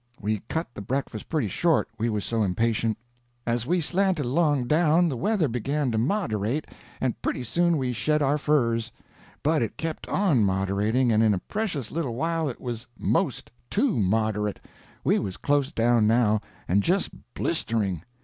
We cut the breakfast pretty short, we was so impatient. As we slanted along down, the weather began to moderate, and pretty soon we shed our furs. But it kept on moderating, and in a precious little while it was 'most too moderate. We was close down now, and just blistering!